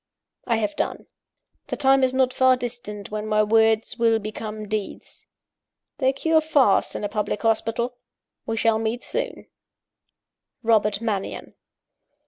"I have done. The time is not far distant when my words will become deeds. They cure fast in a public hospital: we shall meet soon! "ROBERT MANNION."